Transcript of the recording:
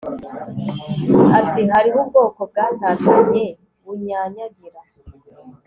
ati Hariho ubwoko bwatatanye bunyanyagira